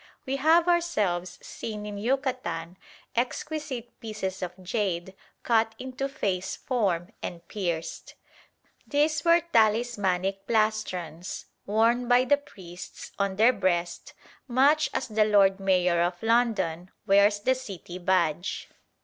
We have ourselves seen in Yucatan exquisite pieces of jade cut into face form and pierced. These were talismanic plastrons, worn by the priests on their breast much as the Lord Mayor of London wears the City Badge.